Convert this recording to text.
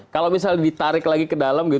kalau misalnya ditarik lagi ke dalam